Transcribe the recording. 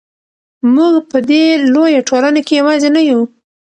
موږ په دې لویه ټولنه کې یوازې نه یو.